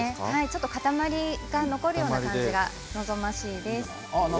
塊が残るような感じが望ましいです。